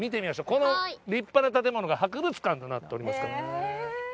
この立派な建物が博物館となっております。